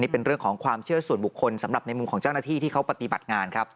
เป็นเรื่องของความเชื่อส่วนบุคคลสำหรับในมุมของเจ้าหน้าที่ที่เขาปฏิบัติงานครับ